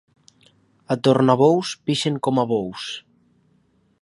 A Tornabous pixen com a bous.